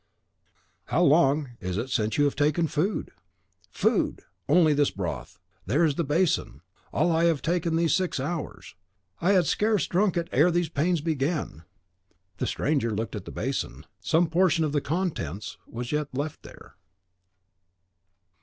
"How long is it since you have taken food?" "Food! only this broth. There is the basin, all I have taken these six hours. I had scarce drunk it ere these pains began." The stranger looked at the basin; some portion of the contents was yet left there.